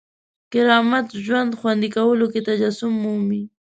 کرامت ژوند خوندي کولو کې تجسم مومي.